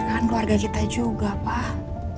kan keluarga kita juga pak